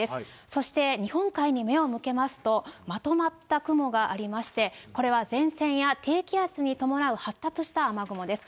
そして日本海に目を向けますと、まとまった雲がありまして、これは前線や低気圧に伴う発達した雨雲です。